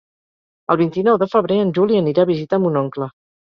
El vint-i-nou de febrer en Juli anirà a visitar mon oncle.